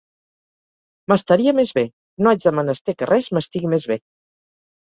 M’estaria més bé! No haig de menester que res m’estigui més bé;